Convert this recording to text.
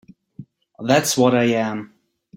That's what I am.